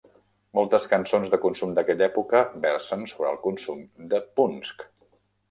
Moltes cançons de consum d'aquella època versen sobre el consum de punsch.